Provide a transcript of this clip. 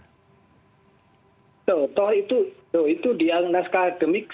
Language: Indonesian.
toh itu dia naskah akademik